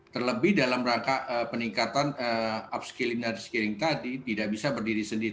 terlebih dalam rangka peningkatan upskilling dan reskilling tadi tidak bisa berdiri sendiri